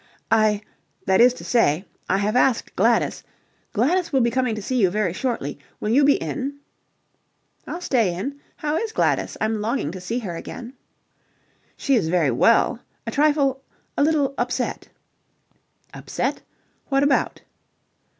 "I that is to say, I have asked Gladys... Gladys will be coming to see you very shortly. Will you be in?" "I'll stay in. How is Gladys? I'm longing to see her again." "She is very well. A trifle a little upset." "Upset? What about?"